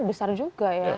oh besar juga ya